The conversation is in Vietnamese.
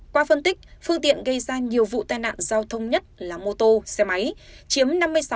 qua phân tích phương tiện gây ra nhiều vụ tai nạn giao thông nhất là mô tô xe máy chiếm năm mươi sáu tám mươi hai